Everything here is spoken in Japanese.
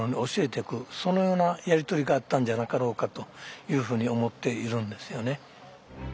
そのようなやり取りがあったんじゃなかろうかというふうに思っているんですよね。